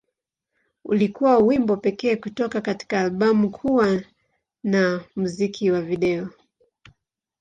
Ulikuwa wimbo pekee kutoka katika albamu kuwa na na muziki wa video.